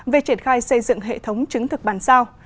về triển khai xây dựng hệ thống chứng thực bản sao